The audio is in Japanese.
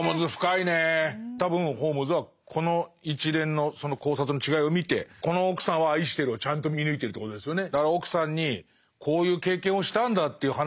多分ホームズはこの一連のその考察の違いを見てこの奥さんは愛してるをちゃんと見抜いてるということですよね。